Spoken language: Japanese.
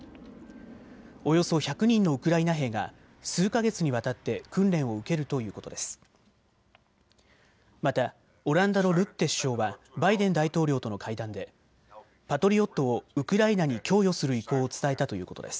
およそ１００人のウクライナ兵が数か月にわたって訓練を受けるということです。